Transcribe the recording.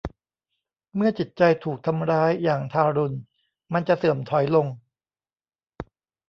เมื่อจิตใจถูกทำร้ายอย่างทารุณมันจะเสื่อมถอยลง